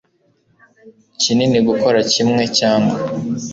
kinini gukora kimwe cyangwa